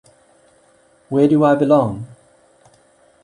Where do I belong?